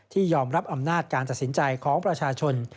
ยอมรับอำนาจการตัดสินใจของประชาชน